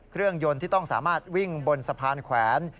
ยนต์ที่ต้องสามารถวิ่งบนสะพานแขวน